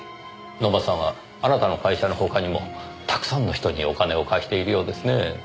野間さんはあなたの会社の他にもたくさんの人にお金を貸しているようですね。